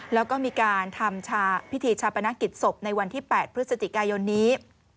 แล้วก็มีการทำพิธีชาปนกิจศพในวันที่๘พฤศจิกายนนี้